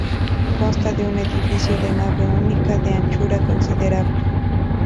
Consta de un edificio de nave única, de anchura considerable.